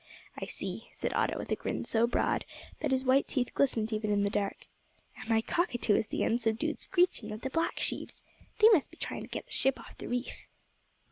"I see," said Otto, with a grin so broad that his white teeth glistened even in the dark, "and my cockatoo is the unsubdued screeching of the block sheaves! They must be trying to get the ship off the reef."